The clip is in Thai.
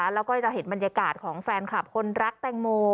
แล้วก็จะเห็นบรรยากาศของแฟนคลับคนรักแตงโม